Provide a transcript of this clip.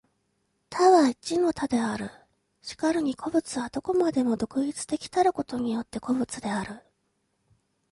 多は一の多である。然るに個物は何処までも独立的たることによって個物である。